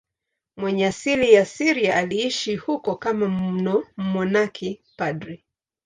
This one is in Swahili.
Mwenye asili ya Syria, aliishi huko kama mmonaki padri.